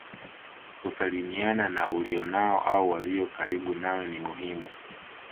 Kusalimiana na ulionao au walio karibu nawe ni muhimu